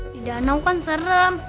di danau kan serem